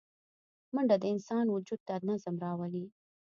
منډه د انسان وجود ته نظم راولي